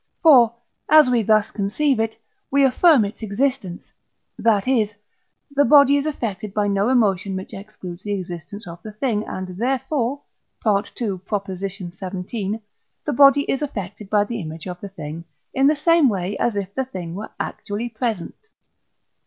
For, as we thus conceive it, we affirm its existence; that is, the body is affected by no emotion which excludes the existence of the thing, and therefore (II. xvii.) the body is affected by the image of the thing, in the same way as if the thing were actually present.